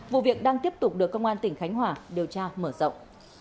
vụ việc đang tiếp tục được công an tỉnh khánh hòa điều tra mở rộng